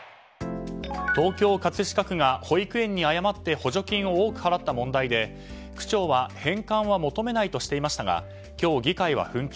東京・葛飾区が保育園に誤って補助金を多く払った問題で区長は、返還は求めないとしていましたが今日、議会は紛糾。